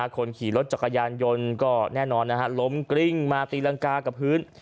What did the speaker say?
คนขี่รถจักรยานยนต์ก็แน่นอนล้มกริ้งมาตีรังกากับพื้น